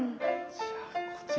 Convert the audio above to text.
じゃあこちら。